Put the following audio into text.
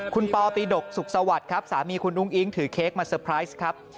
คุณปปีดกสุขสวัสดิ์ครับสามีคุณอุ้งอิ๊งถือเค้กมาเตอร์ไพรส์ครับ